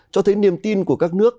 cho thấy niềm tin của các nước